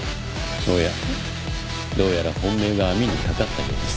おやどうやら本命が網に掛かったようです。